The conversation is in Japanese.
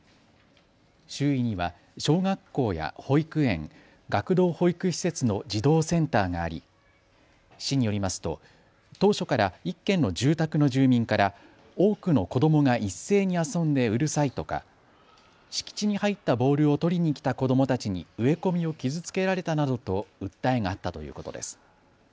周囲には小学校や保育園、学童保育施設の児童センターがあり、市によりますと当初から１軒の住宅の住民から多くの子どもが一斉に遊んでうるさいとか敷地に入ったボールを取りに来た子どもたちに植え込みを傷つけられたなどと訴えがあったということです。